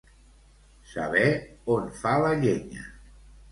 Saber on fa la llenya.